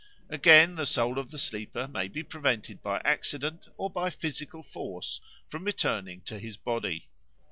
Again, the soul of the sleeper may be prevented by an accident or by physical force from returning to his body.